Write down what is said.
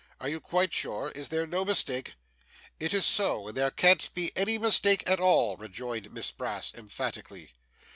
Are you quite sure? Is there no mistake?' 'It is so, and there can't be any mistake at all,' rejoined Miss Brass emphatically.